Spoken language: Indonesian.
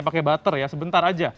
pakai butter ya sebentar aja